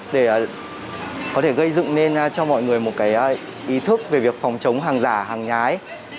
để có thể gây dựng nên cho mọi người một ý thức về việc phòng chống hàng giả hàng nhái